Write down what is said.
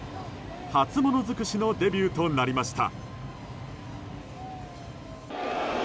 初物尽くしのデビューとなりました。